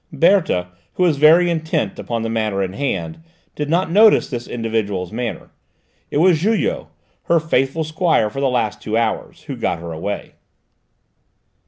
Berthe, who was very intent upon the matter in hand, did not notice this individual's manner; it was Julot, her faithful squire for the last two hours, who got her away.